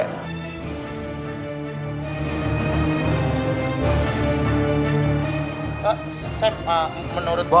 sam menurut gue